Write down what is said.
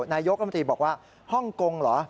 นายกรมตรีบอกว่าฮ่องกงเหรอ